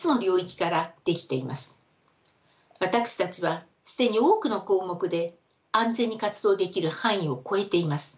私たちは既に多くの項目で安全に活動できる範囲を超えています。